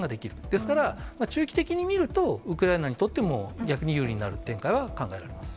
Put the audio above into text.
ですから、中期的に見ると、ウクライナにとっても逆に有利になる展開は考えられます。